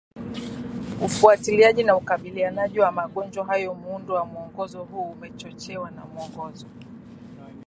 ufuatiliaji na ukabilianaji na magonjwa hayo Muundo wa Mwongozo huu umechochewa na Mwongozo